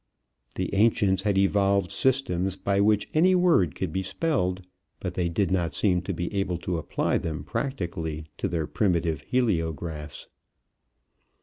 The ancients had evolved systems by which any word could be spelled, but they did not seem to be able to apply them practically to their primitive heliographs.